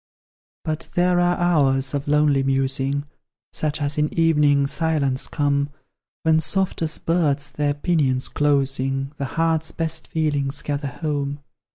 But there are hours of lonely musing, Such as in evening silence come, When, soft as birds their pinions closing, The heart's best feelings gather home.